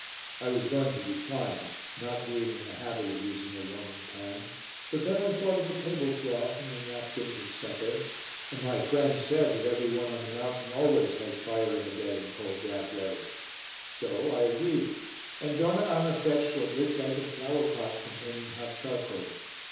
I was going to decline, not being in the habit of using a warming pan, but then I thought of the table cloth and the napkins at supper and my friends said that every one on the mountain always has fire in the bed in cold, damp weather so I agreed, and Donna Anna fetched what looked like a flower pot containing hot charcoal.